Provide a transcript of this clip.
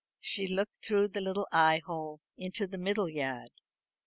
She looked through the little eye hole into the middle yard.